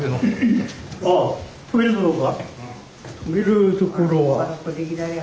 留めるところは。